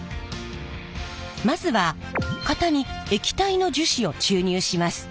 まずは型に液体の樹脂を注入します。